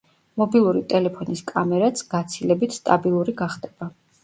მობილური ტელეფონის კამერაც გაცილებით სტაბილური გახდება.